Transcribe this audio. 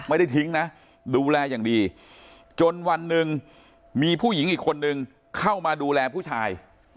ไม่ได้ทิ้งนะดูแลอย่างดีจนวันหนึ่งมีผู้หญิงอีกคนนึงเข้ามาดูแลผู้ชาย